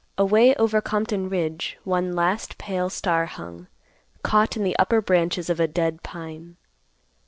Away over Compton Ridge one last, pale star hung, caught in the upper branches of a dead pine.